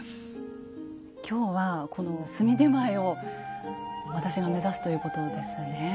今日はこの炭点前を私が目指すということですね。